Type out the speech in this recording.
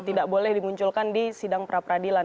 tidak boleh dimunculkan di sidang pra peradilan